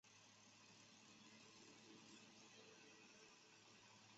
萨莱涅人口变化图示